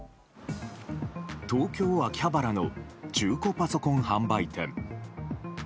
東京・秋葉原の中古パソコン販売店。